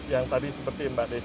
yang tadi seperti mbak desi